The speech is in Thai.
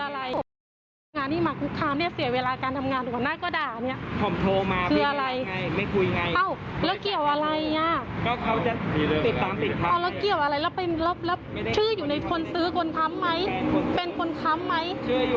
แล้วแฟนต้องรับผิดชอบทุกอย่างไหม